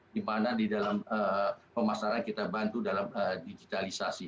di mana di dalam pemasaran kita bantu dalam digitalisasi